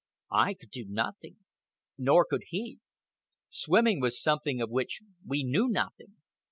I could do nothing. Nor could he. Swimming was something of which we knew nothing.